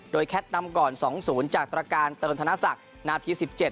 แคทนำก่อน๒๐จากตรการเติมธนศักดิ์นาที๑๗